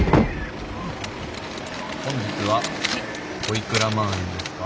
本日はおいくら万円ですか？